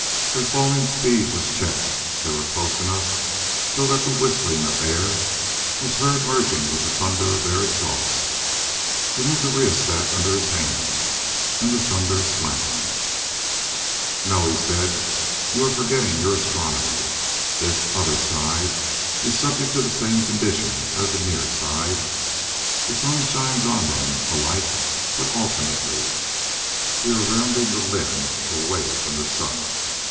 Their falling speed was checked; they were close enough so that the whistling of air was heard merging with the thunder of their exhaust. He moved the rheostat under his hand, and the thunder slackened. "No," he said. "You are forgetting your astronomy. This 'other side' is subject to the same conditions as the near side. The sun shines on them alike, but alternately. We are rounding the limb away from the sun.